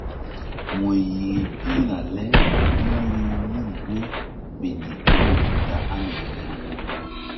Mu yih ziŋ pihna le mú ruh mun wo fe ndikpoh ta aŋay ya.